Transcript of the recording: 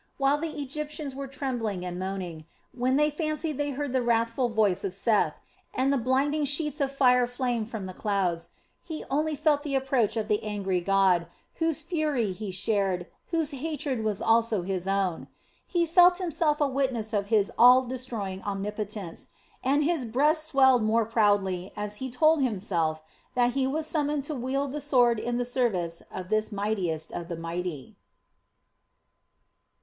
While the Egyptians were trembling and moaning, when they fancied they heard the wrathful voice of Seth, and the blinding sheets of fire flamed from the clouds, he only felt the approach of the angry God, whose fury he shared, whose hatred was also his own. He felt himself a witness of His all destroying omnipotence, and his breast swelled more proudly as he told himself that he was summoned to wield the sword in the service of this Mightiest of the Mighty.